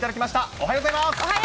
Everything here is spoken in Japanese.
おはようございます。